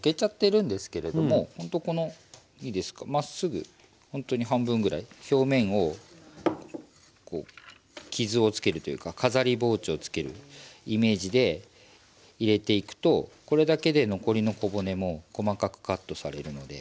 ほんとこのいいですかまっすぐほんとに半分ぐらい表面をこう傷をつけるというか飾り包丁をつけるイメージで入れていくとこれだけで残りの小骨も細かくカットされるので。